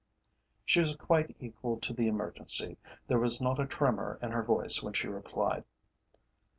She was quite equal to the emergency. There was not a tremor in her voice when she replied.